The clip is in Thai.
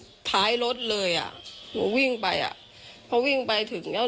ตกลงไปจากรถไฟได้ยังไงสอบถามแล้วแต่ลูกชายก็ยังเล็กมากอะ